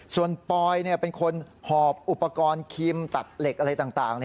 ส่วนปอยเป็นคนหอบอุปกรณ์ครีมตัดเหล็กอะไรต่าง